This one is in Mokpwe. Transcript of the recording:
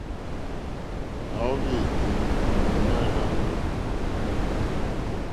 À wóhwì ìlùùnǎ rzáŋɡó.